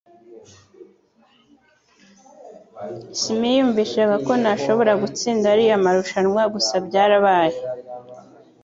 simiyumvishaga ko nashobora gutsinda ariya marushanwa gusa byarabaye